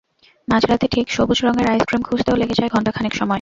মাঝরাতে ঠিক সবুজ রঙের আইসক্রিম খুঁজতেও লেগে যায় ঘণ্টা খানেক সময়।